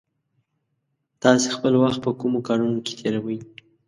تاسې خپل وخت په کومو کارونو کې تېروئ؟